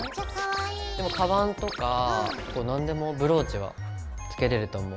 でもかばんとか何でもブローチはつけれると思う。